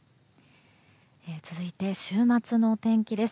続いて、週末の天気です。